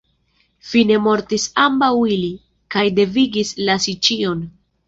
Fine mortis ambaŭ ili, kaj devigis lasi ĉion.